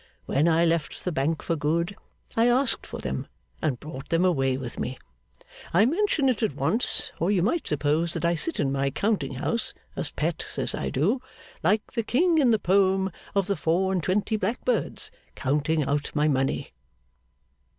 When I left the Bank for good, I asked for them, and brought them away with me. I mention it at once, or you might suppose that I sit in my counting house (as Pet says I do), like the king in the poem of the four and twenty blackbirds, counting out my money.